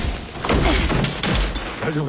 大丈夫か。